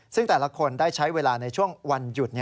ซึ่งแต่ละคนได้ใช้เวลาในช่วงวันหยุด